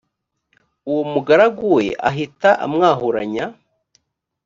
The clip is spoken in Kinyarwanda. uwo mugaragu we ahita amwahuranya